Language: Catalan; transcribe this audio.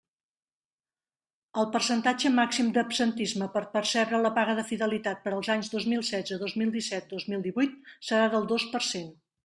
El percentatge màxim d'absentisme per percebre la paga de fidelitat per als anys dos mil setze, dos mil disset, dos mil divuit serà del dos per cent.